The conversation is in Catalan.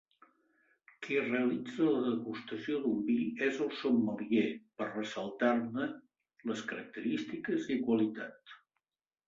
Qui realitza la degustació d'un vi és el sommelier per ressaltar-ne les característiques i qualitat.